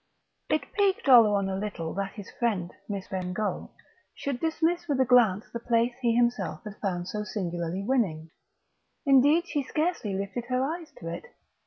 III It piqued Oleron a little that his friend, Miss Bengough, should dismiss with a glance the place he himself had found so singularly winning. Indeed she scarcely lifted her eyes to it.